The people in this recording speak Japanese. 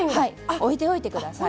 置いておいてください。